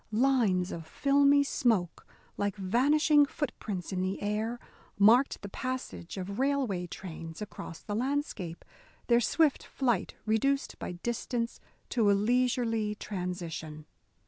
Lines of filmy smoke, like vanishing footprints in the air, marked the passage of railway trains across the landscape their swift flight reduced by distance to a leisurely transition.